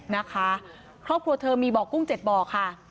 นะคะครอบครัวเธอมีบ่อกุ้ง๗บ่อค่ะ